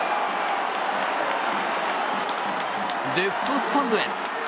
レフトスタンドへ。